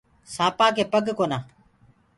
سآنپآ ڪي پگ ڪونآ۔